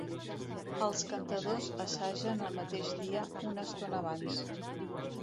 Els cantadors assagen el mateix dia, una estona abans.